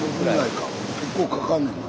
結構かかんねんな。